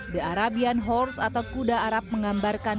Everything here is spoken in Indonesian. the arabian horse atau kuda arab menggambarkan